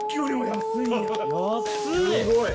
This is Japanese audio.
安い！